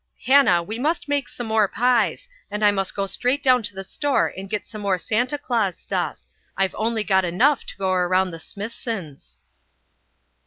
Hannah, we must make some more pies, and I must go straight down to the store and get some more Santa Claus stuff; I've only got enough to go around the Smithsons."